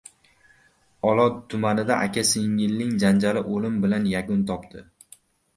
Olot tumanida aka-singilning janjali o‘lim bilan yakun topdi